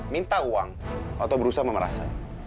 minta uang atau berusaha memerasnya